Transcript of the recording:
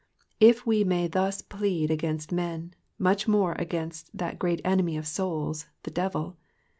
If we may thus plead against man, much more against that great enemy of souls, the devil.